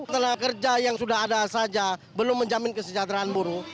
tenaga kerja yang sudah ada saja belum menjamin kesejahteraan buruh